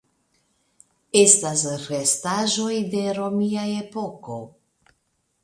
Estas restaĵoj de romia epoko.